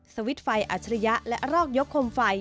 สวิตช์ไฟอัจฉริยะและรอกยกคมไฟ